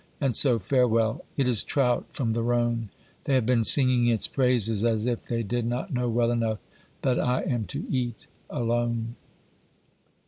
And so farewell. It is trout from the Rhone; they have been singing its praises, as if they did not know well enough that I am to eat alone.